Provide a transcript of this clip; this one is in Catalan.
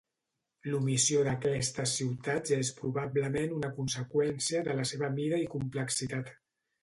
L'omissió d'aquestes ciutats és probablement una conseqüència de la seva mida i complexitat.